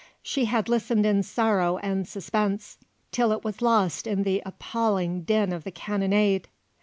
She had listened in sorrow and suspense, till it was lost in the appalling din of the cannonade.